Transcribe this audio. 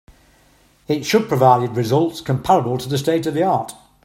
It should provided results comparable to the state of the art.